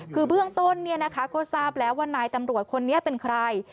คือเบื้องต้นก็ทราบแล้วว่านายตำรวจคนนี้เป็นใคร